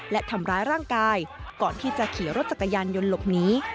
และทำร้ายร่างกายก่อนที่จะขี่รถจักรยานยนต์หลบหนี